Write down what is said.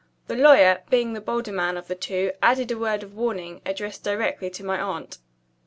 The lawyer, being the bolder man of the two, added a word of warning, addressed directly to my aunt.